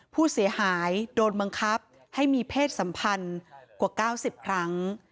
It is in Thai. ผู้เสียหายโดนบังคับให้มีเพศสัมพันธ์กว่า๙๐ครั้ง